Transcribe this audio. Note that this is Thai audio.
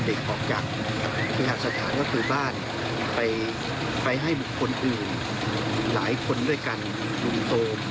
ออกจากเคหสถานก็คือบ้านไปให้บุคคลอื่นหลายคนด้วยกันลุงตูม